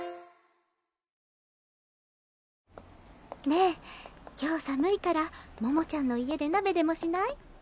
ねえ今日寒いから桃ちゃんの家で鍋でもしない？